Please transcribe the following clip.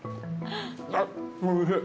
あっおいしい。